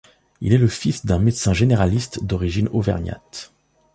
Il est le fils d'un médecin généraliste d'origine auvergnate.